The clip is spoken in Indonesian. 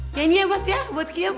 nyanyi ya mas ya buat kium